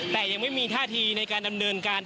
แต่ยังไม่มีท่าทีในการดำเนินการ